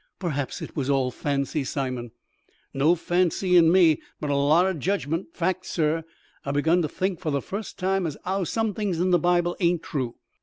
"Perhaps it was all fancy, Simon." "No fancy in me, but a lot o' judgment. Fact, sur, I've begun to think for the fust time as 'ow some things in the Bible ain't true.